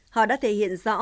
họ đã thể hiện rõ